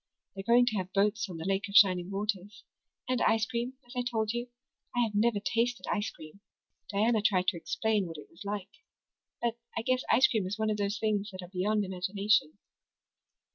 They're going to have boats on the Lake of Shining Waters and ice cream, as I told you. I have never tasted ice cream. Diana tried to explain what it was like, but I guess ice cream is one of those things that are beyond imagination."